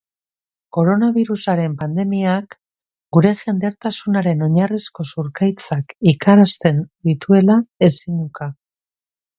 Koronabirusaren pandemiak gure jendetasunaren oinarrizko zurkaitzak ikararazten dituela ezin uka.